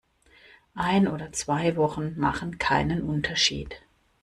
Ein oder zwei Wochen machen keinen Unterschied.